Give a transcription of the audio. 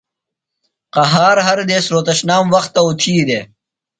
قہار ہر دیس روھوتشنام وختہ اُتھی دےۡ۔